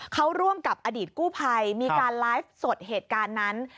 เขาร่วมกับอดีตกู้ภัยมีการไลฟ์สดเหตุการณ์นั้น